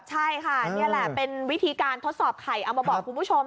ใช่ค่ะนี่แหละเป็นวิธีการทดสอบไข่เอามาบอกคุณผู้ชม